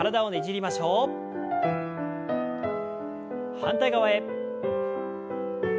反対側へ。